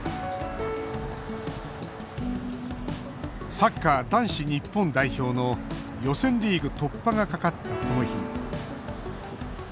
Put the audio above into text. サッカー男子日本代表の予選リーグ突破がかかったこの日。